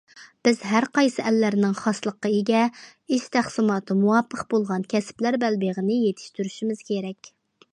بىز ھەرقايسى ئەللەرنىڭ خاسلىققا ئىگە، ئىش تەقسىماتى مۇۋاپىق بولغان كەسىپلەر بەلبېغىنى يېتىشتۈرۈشىمىز كېرەك.